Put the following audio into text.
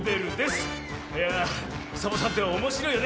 いやあサボさんっておもしろいよね。